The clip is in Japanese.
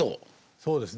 そうですね